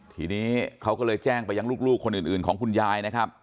ทีนี้เขาก็เลยแจ้งไปยังลูกคนอื่นของคุณยายนะครับ